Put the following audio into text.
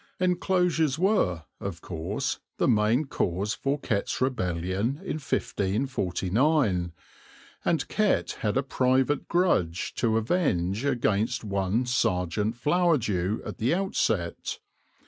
Enclosures were, of course, the main cause for Kett's Rebellion in 1549, and Kett had a private grudge to avenge against one Sergeant Flowerdew at the outset.